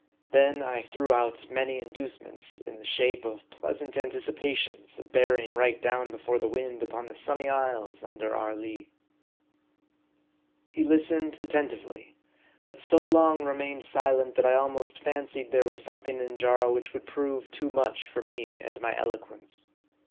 Then I threw out many inducements, in the shape of pleasant anticipations of bearing right down before the wind upon the sunny isles under our lee. 30 M A R D I. He listened attentively ; but so long remained silent that I almost fancied there was something in Jarl which would prove too much for me and my eloquence.